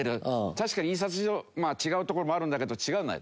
確かに印刷所違う所もあるんだけど違うのは。